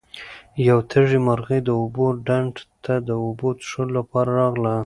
یوه تږې مرغۍ د اوبو ډنډ ته د اوبو څښلو لپاره راغله.